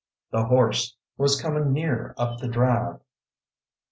The horse was coming nearer up the drive.